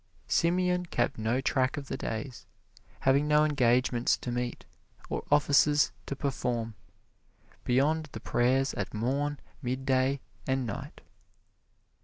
Simeon kept no track of the days, having no engagements to meet, or offices to perform, beyond the prayers at morn, midday and night.